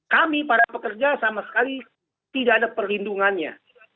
kami para pekerja sama sekali tidak ada perlindungannya